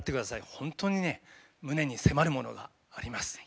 本当に胸に迫るものがあります。